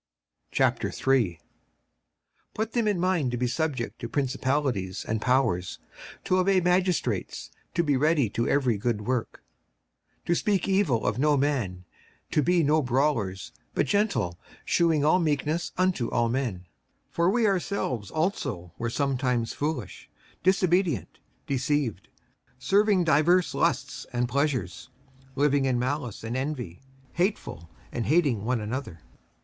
56:003:001 Put them in mind to be subject to principalities and powers, to obey magistrates, to be ready to every good work, 56:003:002 To speak evil of no man, to be no brawlers, but gentle, shewing all meekness unto all men. 56:003:003 For we ourselves also were sometimes foolish, disobedient, deceived, serving divers lusts and pleasures, living in malice and envy, hateful, and hating one another.